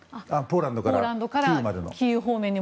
ポーランドからキーウまでの。